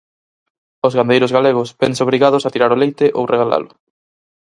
Os gandeiros galegos vense obrigados a tirar o leite ou regalalo.